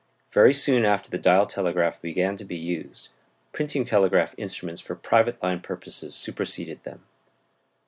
Very soon after the dial telegraph began to be used, printing telegraph instruments for private line purposes superseded them.